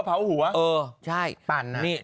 เผ้าหัวเผ้าหัว